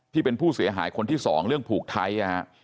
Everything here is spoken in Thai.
ที่เป็นผู้เสียหายคนที่สองเรื่องผูกไทย